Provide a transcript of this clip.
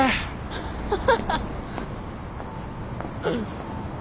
ハハハッ。